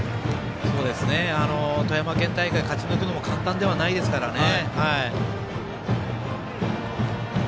富山県大会勝ち抜くのも簡単ではないですからね。